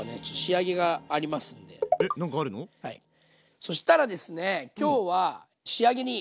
そしたらですね今日は仕上げにこちら！